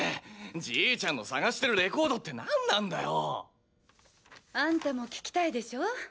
じーちゃんの探してるレコードって何なんだよ！あんたも聞きたいでしょ？